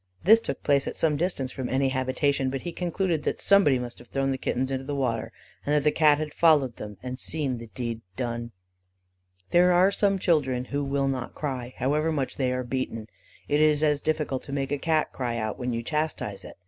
This took place at some distance from any habitation, but he concluded that somebody must have thrown the kittens into the water, and that the Cat had followed them, and seen the deed done. [Illustration: TO THE RESCUE. Page 286.] There are some children who will not cry, however much they are beaten; it is as difficult to make a Cat cry out when you chastise it.